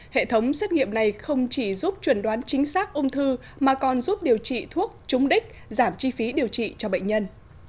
hệ thống xét nghiệm này không chỉ giúp chuẩn đoán chính xác ung thư mà còn giúp điều trị thuốc trúng đích giảm chi phí điều trị cho bệnh nhân